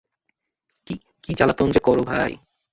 কী জ্বালাতন যে করো ভাই!